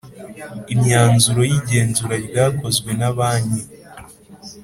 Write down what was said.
Imyanzuro y igenzura ryakozwe na banki